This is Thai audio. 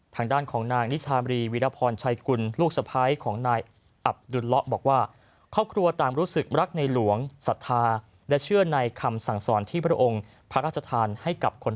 ทางด้านของนางนิชาบรีวิรพรชัยกุลลูกสะพ้ายของนายอับยนต์ละบอกว่า